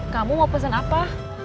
kamu mau pesen apa